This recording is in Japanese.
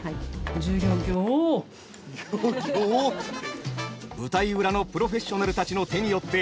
舞台裏のプロフェッショナルたちの手によって準備完了。